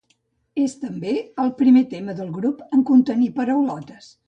És també el primer tema del grup en contenir paraulotes.